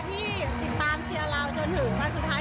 ที่ติดตามเชียร์เราจนถึงวันสุดท้าย